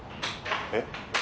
えっ？